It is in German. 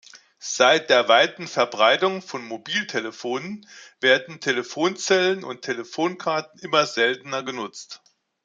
Seit der weiten Verbreitung von Mobiltelefonen werden Telefonzellen und Telefonkarten immer seltener genutzt.